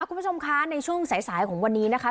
มาคุยกันผมค่ะในช่วงสายสายของวันนี้นะคะ